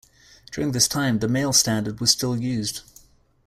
During this time, the mail standard was still used.